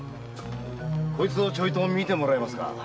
こいつをちょいと見てもらえますか？